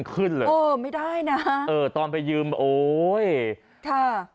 กลับมาพร้อมขอบความ